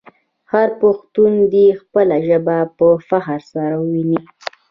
هر پښتون دې خپله ژبه په فخر سره وویې.